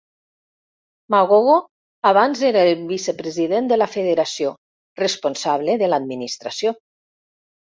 Magogo abans era el vicepresident de la Federació, responsable de l'administració.